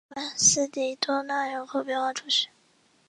拉巴斯蒂多纳人口变化图示